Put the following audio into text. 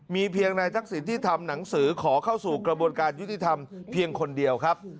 มีเพียงนายทักษิณที่ทำหนังสือขอเข้าสู่กระบวนการยุติธรรมเพียงคนเดียวครับ